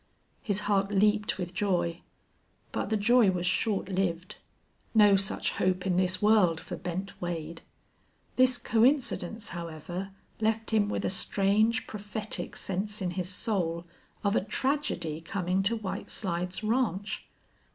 His heart leaped with joy. But the joy was short lived. No such hope in this world for Bent Wade! This coincidence, however, left him with a strange, prophetic sense in his soul of a tragedy coming to White Slides Ranch.